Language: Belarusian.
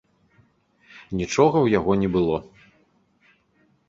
Нічога ў яго не было.